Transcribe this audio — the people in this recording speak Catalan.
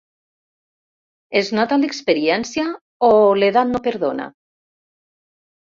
Es nota l'experiència o l'edat no perdona?